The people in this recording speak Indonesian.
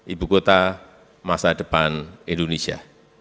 ibu kota masa depan indonesia